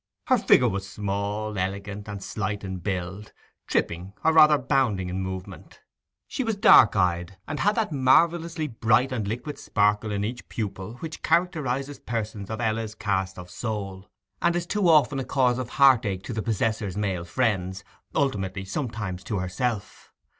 Her figure was small, elegant, and slight in build, tripping, or rather bounding, in movement. She was dark eyed, and had that marvellously bright and liquid sparkle in each pupil which characterizes persons of Ella's cast of soul, and is too often a cause of heartache to the possessor's male friends, ultimately sometimes to herself.